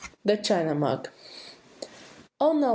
THE CHINA MUG. "Oh, no!